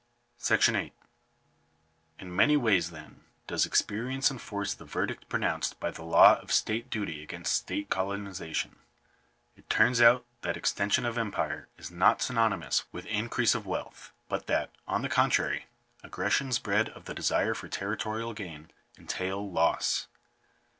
§8. In many ways, then, does experience enforce the verdict pronounced by the law of state*duty against state colonization. It turns out that extension of empire is not synonymous with Digitized by VjOOQIC GOVERNMENT COLONIZATION. 371 increase of wealth ; but that, on the contrary, aggressions bred of the desire for territorial gain, entail loss.